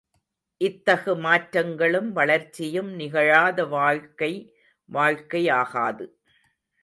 இத்தகு மாற்றங்களும் வளர்ச்சியும் நிகழாத வாழ்க்கை, வாழ்க்கையாகாது.